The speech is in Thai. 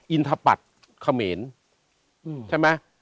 อิณฑปัดเขมรใช่มะ